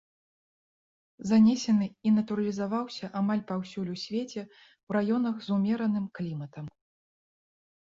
Занесены і натуралізаваўся амаль паўсюль у свеце ў раёнах з умераным кліматам.